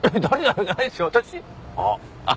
あっ！